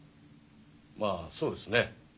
まあそうですね。